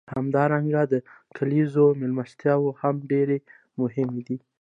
همدارنګه زما د کلیزو میلمستیاوې هم ډېرې مهمې دي.